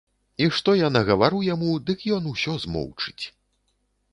І што я нагавару яму, дык ён усё змоўчыць.